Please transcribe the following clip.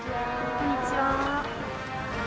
こんにちは。